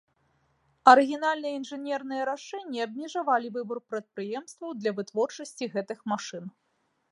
Арыгінальныя інжынерныя рашэнні абмежавалі выбар прадпрыемстваў для вытворчасці гэтых машын.